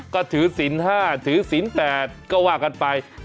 ก็ถือศีล๕ถือศีล๘ก็ว่ากันไป